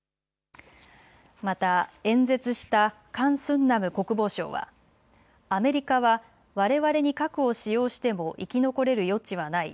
また演説したカン・スンナム国防相はアメリカはわれわれに核を使用しても生き残れる余地はない。